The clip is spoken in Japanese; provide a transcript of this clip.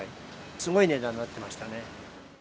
すごい値段になってましたね。